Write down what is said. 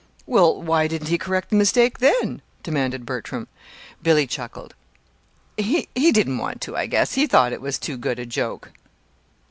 "Well, why didn't he correct the mistake, then?" demanded Bertram. Billy chuckled. "He didn't want to, I guess. He thought it was too good a joke."